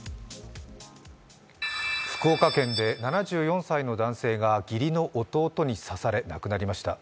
福岡県で７４歳の男性が義理の弟に刺され亡くなりました。